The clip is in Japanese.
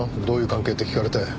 「どういう関係？」って聞かれて。